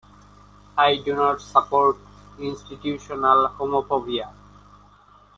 I don't support institutional homophobia.